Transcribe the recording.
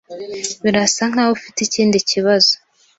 Birasa nkaho ufite ikindi kibazo.